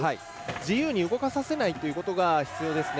自由に動かさせないということが必要ですね。